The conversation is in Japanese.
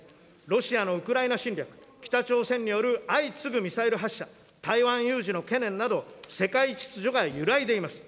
ロシアのウクライナ侵略、北朝鮮による相次ぐミサイル発射、台湾有事の懸念など、世界秩序が揺らいでいます。